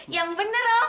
yang bener om